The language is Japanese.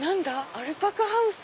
「アルパカハウス」？